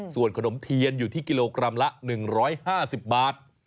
ส่วนขนมเทียนอยู่ที่กิโลกรัมละ๑๕๐บาท